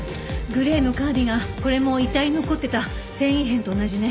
グレーのカーディガンこれも遺体に残ってた繊維片と同じね。